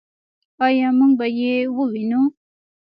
آیا موږ به یې ووینو؟